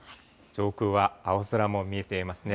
上空は青空も見えていますね。